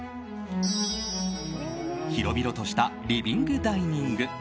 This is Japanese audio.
広々としたリビングダイニング。